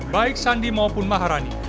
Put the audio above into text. baik sandi maupun harani